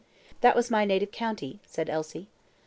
"That was my native county," said Elsie.